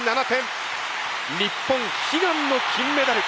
日本悲願の金メダル！